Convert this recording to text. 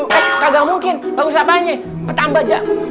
eh kagak mungkin bagus apaan ya petambah aja